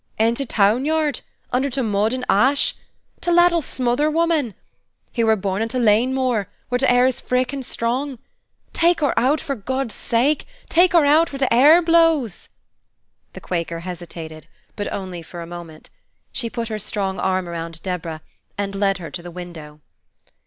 "In t' town yard? Under t' mud and ash? T' lad'll smother, woman! He wur born in t' lane moor, where t' air is frick and strong. Take hur out, for God's sake, take hur out where t' air blows!" The Quaker hesitated, but only for a moment. She put her strong arm around Deborah and led her to the window.